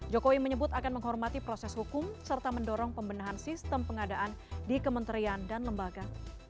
jokowi menyebut akan menghormati proses hukum serta mendorong pembenahan sistem pengadaan di kementerian dan lembaga